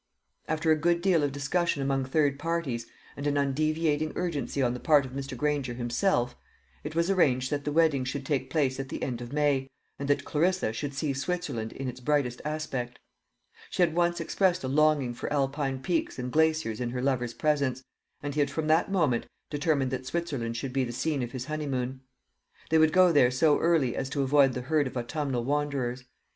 After a good deal of discussion among third parties, and an undeviating urgency on the part of Mr. Granger himself, it was arranged that the wedding should take place at the end of May, and that Clarissa should see Switzerland in its brightest aspect. She had once expressed a longing for Alpine peaks and glaciers in her lover's presence, and he had from that moment, determined that Switzerland should be the scene of his honeymoon. They would go there so early as to avoid the herd of autumnal wanderers.